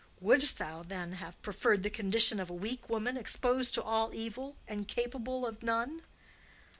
Wouldst thou, then, have preferred the condition of a weak woman, exposed to all evil and capable of none?"